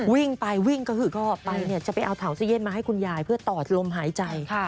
วิ่งไปวิ่งก็ออกไปจะไปเอาถังออสเซียนมาให้คุณยายเพื่อตอดลมหายใจ